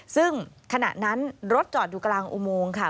ซึ่งขณะนั้นรถจอดอยู่กลางอุโมงค่ะ